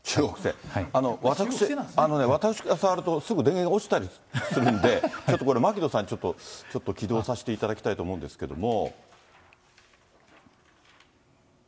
私、あのね、私が触ると、すぐ電源が落ちたりするんで、ちょっとこれ、牧野さんにちょっと起動させていただきたいと思うんですけれども。